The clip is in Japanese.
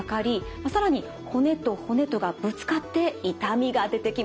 更に骨と骨とがぶつかって痛みが出てきます。